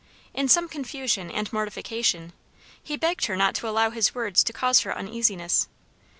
In some confusion and mortification, he begged her not to allow his words to cause her uneasiness.